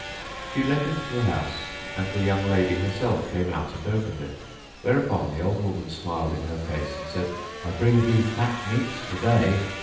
She led him to the house and the young lady herself came out and opened it, whereupon the old woman smiled in her face and said, "I bring thee fat meat today."